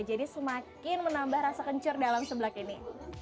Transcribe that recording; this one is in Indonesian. jadi semakin menambah rasa kencur dalam seblak ini